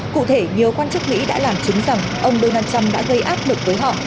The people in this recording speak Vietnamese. cụ thể nhiều quan chức mỹ đã làm chứng rằng ông donald trump đã gây áp lực với họ